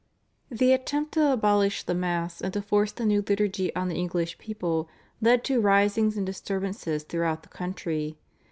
The attempt to abolish the Mass and to force the new liturgy on the English people led to risings and disturbances throughout the country.